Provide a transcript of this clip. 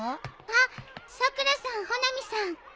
あっさくらさん穂波さん。